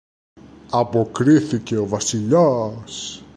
αποκρίθηκε ο Βασιλιάς.